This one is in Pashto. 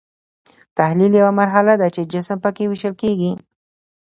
تحلیل یوه مرحله ده چې جسم پکې ویشل کیږي.